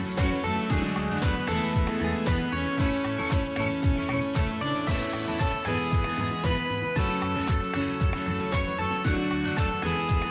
สวัสดีครับ